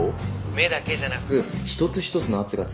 目だけじゃなく一つ一つの圧が強いというか。